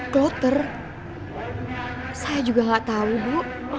kloter saya juga gak tahu bu